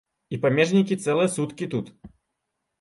І памежнікі цэлыя суткі тут.